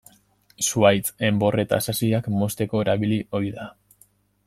Zuhaitz, enbor eta sasiak mozteko erabili ohi da.